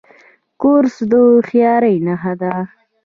کورس د هوښیارۍ نښه ده.